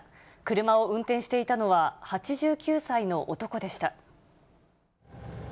車を運転していたのは８９歳の男でした。